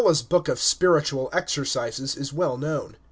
Loyola's book of Spiritual Exercises is well known.